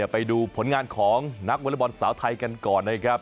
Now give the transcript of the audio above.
ไปดูผลงานของนักวอเล็กบอลสาวไทยกันก่อนนะครับ